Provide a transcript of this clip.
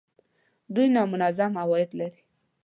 دوی نامنظم عواید لري